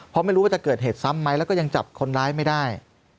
เพราะไม่รู้ว่าจะเกิดเหตุซ้ำไหมแล้วก็ยังจับคนร้ายไม่ได้